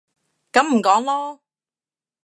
噉唔講囉